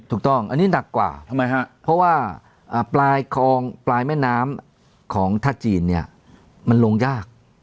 ถูกต้องอันนี้หนักกว่าทำไมฮะเพราะว่าปลายคลองปลายแม่น้ำของท่าจีนเนี่ยมันลงยาก